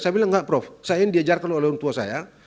saya bilang enggak prof saya ingin diajarkan oleh untung saya